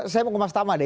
saya mau ke mas tama deh